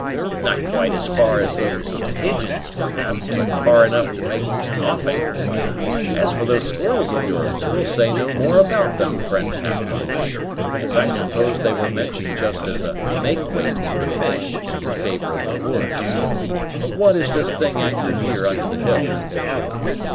"Not quite as far as those of pigeons, perhaps; but far enough to make an offing. As for those squirrels of yours, we'll say no more about them, friend Pathfinder, as I suppose they were mentioned just as a make weight to the fish, in favor of the woods. But what is this thing anchored here under the hill?"